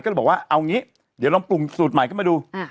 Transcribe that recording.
ก็เลยบอกว่าเอางี้เดี๋ยวลองปรุงสูตรใหม่ขึ้นมาดู